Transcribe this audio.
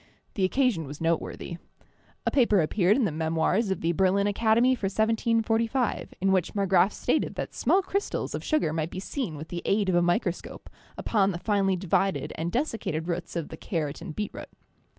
The occasion was noteworthy. A paper appeared in the memoirs of the Berlin Academy for 1745, in which Marggraf stated that small crystals of sugar might be seen with'the aid of a microscope upon the finely divided and desiccated roots of the carrot and beetroot.